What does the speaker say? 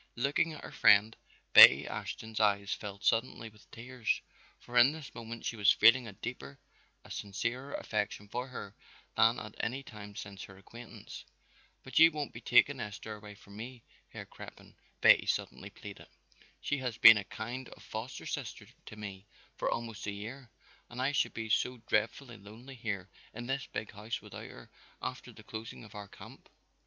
Looking at her friend, Betty Ashton's eyes filled suddenly with tears, for in this moment she was feeling a deeper, a sincerer affection for her than at any time since their acquaintance. "But you won't be taking Esther away from me, Herr Crippen?" Betty suddenly pleaded. "She has been a kind of foster sister to me for almost a year and I should be so dreadfully lonely here in this big house without her after the closing of our camp.